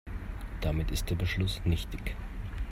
Damit ist der Beschluss nichtig.